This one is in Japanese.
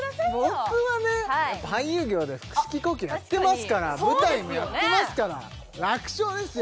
僕はねやっぱ俳優業で腹式呼吸やってますから舞台もやってますから楽勝ですよ